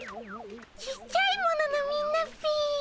ちっちゃいもののみんなっピ。